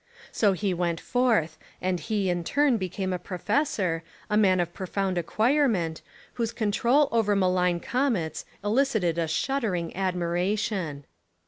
So he went forth, and he in turn became a pro fessor, a man of profound acquirement, whose control over malign comets elicited a shudder ing admiration.